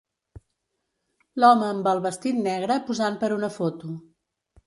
L'home amb el vestit negre posant per una foto.